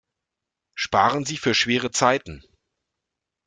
Sparen Sie für schwere Zeiten!